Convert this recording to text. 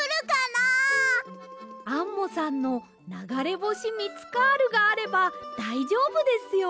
アンモさんのながれぼしミツカールがあればだいじょうぶですよ。